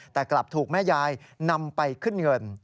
แต่กลับถูกแม่ยายนำไปขึ้นเงิน